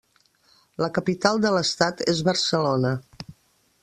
La capital de l'estat és Barcelona.